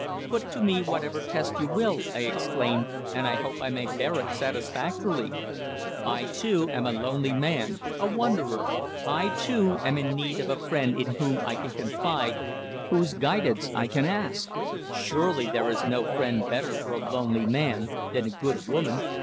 Put to me whatever test you will," I exclaimed, "and I hope I may bear it satisfactorily. I, too, am a lonely man a wanderer. I, too, am in need of a friend in whom I can confide, whose guidance I can ask. Surely there is no friend better for a lonely man than a good woman?"